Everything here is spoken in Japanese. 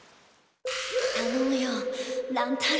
たのむよ乱太郎。